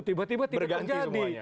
tiba tiba tidak terjadi